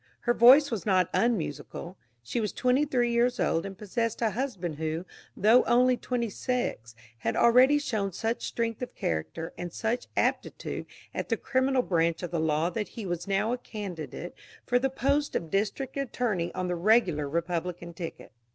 Her voice was not unmusical. She was twenty three years old and possessed a husband who, though only twenty six, had already shown such strength of character and such aptitude at the criminal branch of the law that he was now a candidate for the post of district attorney on the regular Republican ticket.